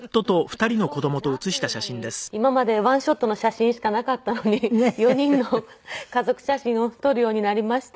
今まで１ショットの写真しかなかったのに４人の家族写真を撮るようになりました。